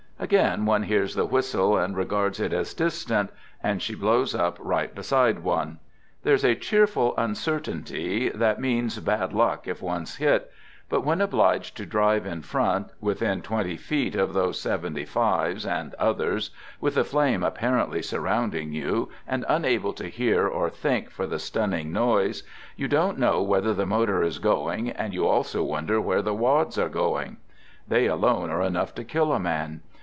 Again one hears the whistle and re i gards it as distant — and she blows up right beside one. There's a cheerful uncertainty that means bad *luck if one's hit; but when obliged to drive in front, within twenty feet, of those 75's, and others, with the flame apparently surrounding you, and un able to hear or think for the stunning noise, you don't know whether the motor is going, and you also wonder where the wads are going, v They alone are enough to kill a man.